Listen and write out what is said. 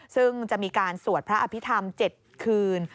ซึ่งจะมีการสวดพระอภิษฐรรม๗คืน